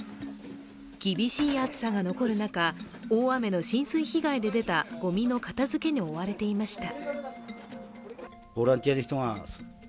厳しい暑さが残る中、大雨の浸水被害で出たごみの片付けに追われていました。